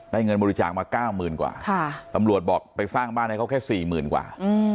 เงินบริจาคมา๙๐๐กว่าตำรวจบอกไปสร้างบ้านให้เขาแค่๔๐๐๐กว่า